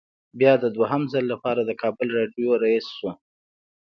بیا د دویم ځل لپاره د کابل راډیو رییس شو.